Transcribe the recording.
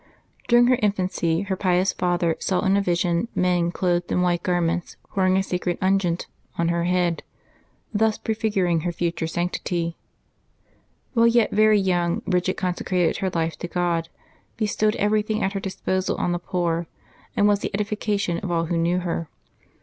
Dur ing her infanc}^ her pious father saw in a vision men clothed in white garments pouring a sacred unguent on her head, thus prefiguring her future sanctity. While yet very young, Bridgid consecrated her life to God, bestowed Feeeuart 1] LIVES OF THE SAINTS 55 everything at her disposal on the poor, and was the edifi cation of all who knew her.